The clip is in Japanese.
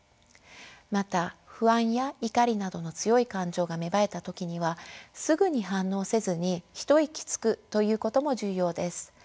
また不安や怒りなどの強い感情が芽生えた時にはすぐに反応せずにひと息つくということも重要です。